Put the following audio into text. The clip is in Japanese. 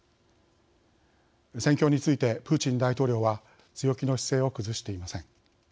戦況について、プーチン大統領は強気の姿勢を崩していません。